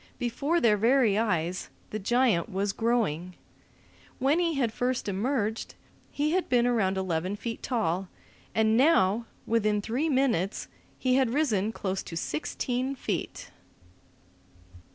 Before their very eyes the giant was growing. When he had first emerged, he had been around eleven feet tall, and now, within three minutes, he had risen close to sixteen feet.